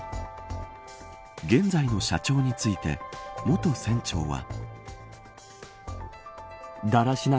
現在の社長について元船長は。